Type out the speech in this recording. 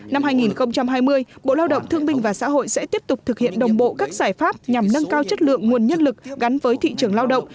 năm hai nghìn hai mươi bộ lao động thương minh và xã hội sẽ tiếp tục thực hiện đồng bộ các giải pháp nhằm nâng cao chất lượng nguồn nhân lực gắn với thị trường lao động